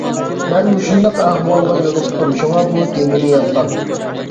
مەن مۇشۇنداق ئەھۋالغا يولۇقتۇم شۇڭا بۇ تېمىنى يازغان.